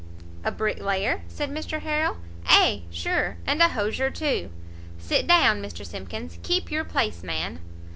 "A bricklayer?" said Mr Harrel, "ay, sure, and a hosier too; sit down, Mr Simkins, keep your place, man!"